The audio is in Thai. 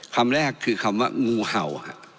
คำแรกคือคำว่างูเห่า